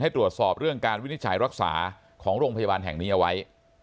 ตรวจสอบเรื่องการวินิจฉัยรักษาของโรงพยาบาลแห่งนี้เอาไว้